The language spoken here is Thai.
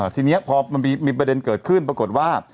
ทีนี้พอมันมีประเด็นเกิดขึ้นปรากฏว่า